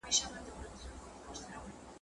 پرېمانۍ ته غویی تللی په حیرت وو `